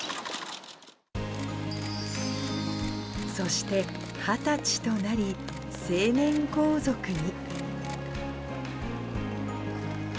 そして２０歳となり、成年皇族に。